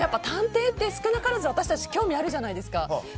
探偵って、少なからず私たち、興味あるじゃないですか。